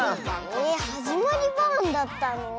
えっ「はじまりバーン」だったの？